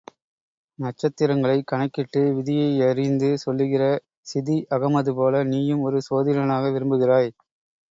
நட்சத்திரங்களைக் கணக்கிட்டு விதியையறிந்து சொல்லுகிற சிதி அகமது போல நீயும் ஒரு சோதிடனாக விரும்புகிறாய்.